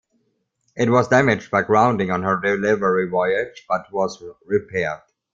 It was damaged by grounding on her delivery voyage but was repaired.